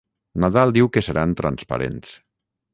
Nadal diu que seran transparents.